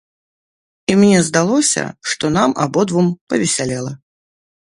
І мне здалося, што нам абодвум павесялела.